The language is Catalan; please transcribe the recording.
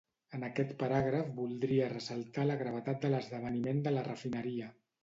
En aquest paràgraf voldria ressaltar la gravetat de l'esdeveniment de la refineria.